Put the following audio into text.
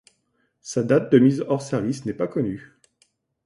Sa date de mise hors service n’est pas connue.